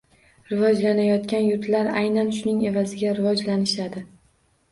Rivojlanayotgan yurtlar aynan shuning evaziga rivojlanishadi.